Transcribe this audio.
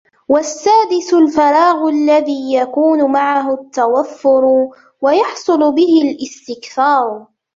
وَالسَّادِسُ الْفَرَاغُ الَّذِي يَكُونُ مَعَهُ التَّوَفُّرُ وَيَحْصُلُ بِهِ الِاسْتِكْثَارُ